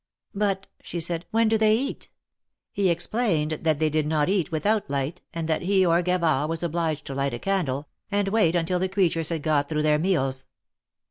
But," she said, when do they eat ?" He explained that they did not eat without light, and that he, or Gavard, was obliged to light a candle, and wait until the creatures had got through their meals.